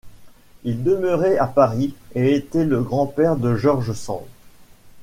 Il demeurait à Paris et était le grand-père de George Sand.